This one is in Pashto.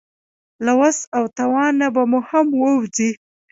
له وس او توان نه به مو هم ووځي.